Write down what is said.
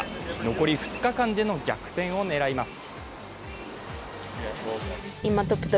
残り２日間での逆転を狙います。